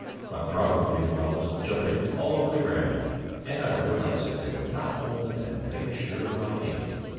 My bronco, meanwhile, was jumping all over the ground, and I realized I could not hold him and make sure of my aim.